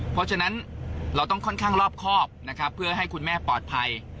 เพราะฉะนั้นเราต้องค่อนข้างรอบครอบนะครับเพื่อให้คุณแม่ปลอดภัย